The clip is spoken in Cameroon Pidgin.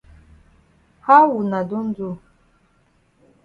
How wuna don do?